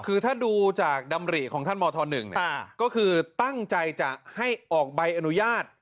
คือถ้าดูจากดำริของท่านมธ๑ก็คือตั้งใจจะให้ออกใบอนุญาต